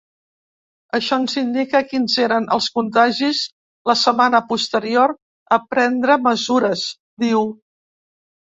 Això ens indica quins eren els contagis la setmana posterior a prendre mesures, diu.